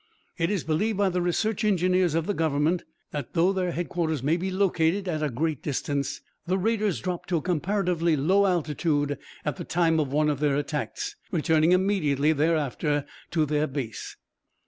"It is believed by the research engineers of the government that, though their headquarters may be located at a great distance, the raiders drop to a comparatively low altitude at the time of one of their attacks, returning immediately thereafter to their base."